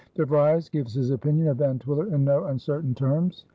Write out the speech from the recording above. De Vries gives his opinion of Van Twiller in no uncertain terms.